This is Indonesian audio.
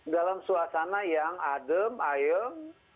dalam suasana yang adem ayem